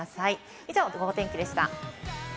以上、ゴゴ天気でした。